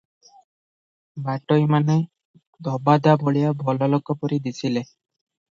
ବାଟୋଇମାନେ ଧୋବଧାବଳିଆ ଭଲଲୋକ ପରି ଦିଶିଲେ ।